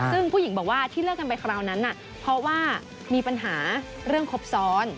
ซึ่งผู้หญิงบอกว่าที่เลิกกันไปคราวนั้นเพราะว่ามีปัญหาเรื่องครบซ้อน